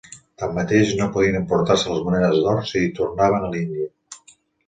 Tanmateix, no podien emportar-se les monedes d'or si tornaven a l'índia.